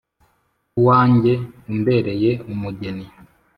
uwanjye umbereye umugeni!